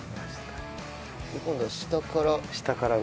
今度は下から。